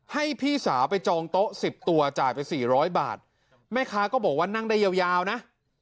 ให้พี่สาวไปจองโต๊ะ๑๐ตัวจ่ายไปสี่ร้อยบาทแม่ค้าก็บอกว่านั่งได้ยาวยาวนะ